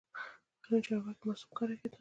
پرون چارواکي معصوم ښکارېدل.